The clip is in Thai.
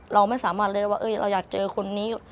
เราไม่สามารถเลยว่าเอ้ยเราอยากเจอคนนี้